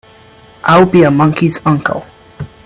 I'll be a monkey's uncle!